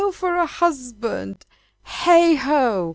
for a husband! Heigh ho!